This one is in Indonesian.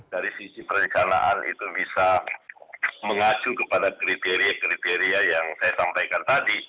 dari sisi perencanaan itu bisa mengacu kepada kriteria kriteria yang saya sampaikan tadi